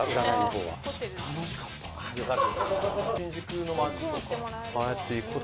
よかった。